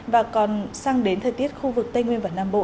và còn sang đến thời tiết khu vực tây nguyên và nam bộ